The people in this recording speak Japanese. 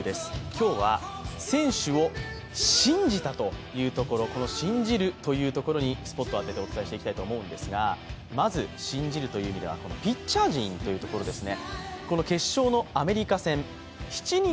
今日は選手を信じたというところ、信じるというところにスポットを当ててお伝えしていきたいと思うんですがまず信じるという意味ではピッチャー陣というところですね。